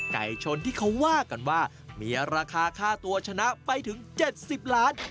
ไก่ชนที่เขาว่ากันว่ามีราคาค่าตัวชนะไปถึง๗๐ล้าน